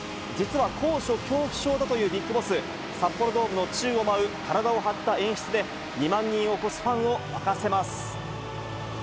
実は高所恐怖症だというＢＩＧＢＯＳＳ。札幌ドームの宙を舞う体を張った演出で、２万人を超すファンを沸かせます。